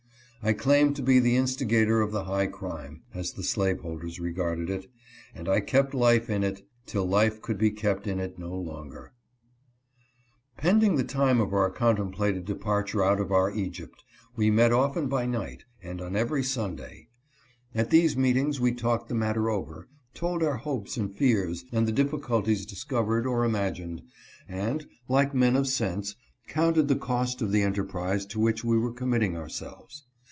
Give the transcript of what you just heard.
I claim to be the instigator of the high crime (as the slaveholders regarded it), and I kept life in it till life could be kept in it no longer. 198 DIFFICULTIES IN THE WAY. Pending the time of our contemplated departure out of our Egypt, we met often by night, and on every Sunday. At these meetings we talked the matter over, told our hopes and fears, and the difficulties discovered or imagined ; and, like men of sense, counted the cost of the enterprise to which we were committing ourselves.